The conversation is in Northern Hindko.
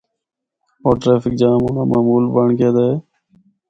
ہور ٹریفک جام ہونڑا معمول بنڑ گیا دا ہے۔